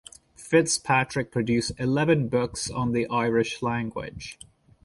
Fitzpatrick produced eleven books on the Irish Language.